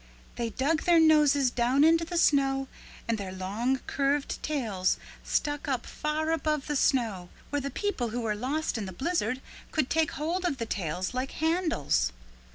They dug their noses down into the snow and their long curved tails stuck up far above the snow where the people who were lost in the blizzard could take hold of the tails like handles.